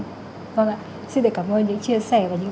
vâng ạ xin được cảm ơn những chia sẻ và những